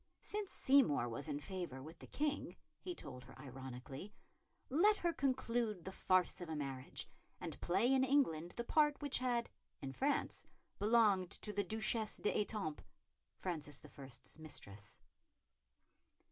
Since Seymour was in favour with the King, he told her ironically, let her conclude the farce of a marriage, and play in England the part which had, in France, belonged to the Duchesse d'Étampes, Francis I.'s mistress.